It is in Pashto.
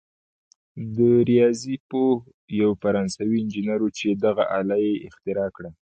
دا ریاضي پوه یو فرانسوي انجنیر وو چې دغه آله یې اختراع کړه.